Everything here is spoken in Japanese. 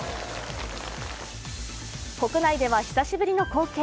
国内では久しぶりの光景。